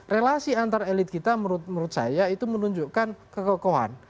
relasi antar elit kita menurut saya itu menunjukkan kekekohan